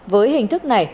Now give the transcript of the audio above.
với hình thức này